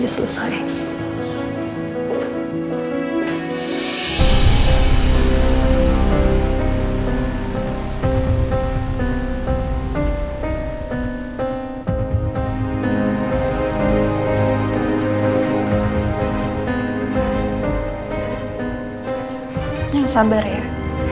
jangan sabar ya